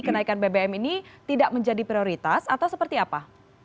kenaikan bbm ini tidak menjadi prioritas atau seperti apa